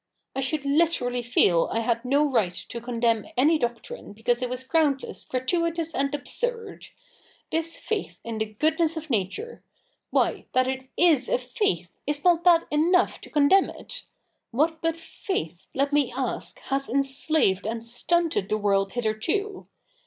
I should literally feel I had no right to condemn any doctrine because it was groundless, gratuitous, and absurd. This faith in the goodness of Nature — why. that it /s a faith, is not that enough to condemn it ? What but faith, let me ask, has enslaved and stunted the world hitherto